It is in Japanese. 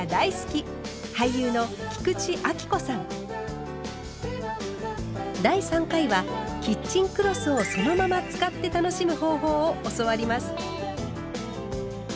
俳優の第３回はキッチンクロスをそのまま使って楽しむ方法を教わります。